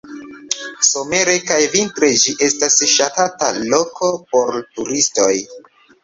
Somere kaj vintre ĝi estas ŝatata loko por turistoj.